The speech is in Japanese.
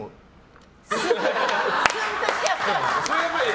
スンとしちゃって。